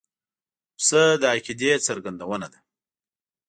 پسه د عقیدې څرګندونه ده.